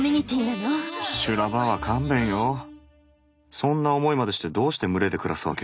そんな思いまでしてどうして群れで暮らすわけ？